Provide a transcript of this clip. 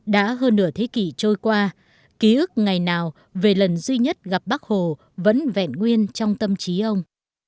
đã hơn nửa thế kỷ trôi qua ký ức ngày nào về lần duy nhất gặp bác hồ vẫn vẹn nguyên trong tâm trí ông